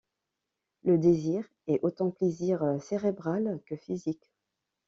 Le désir est autant plaisir cérébral que physique.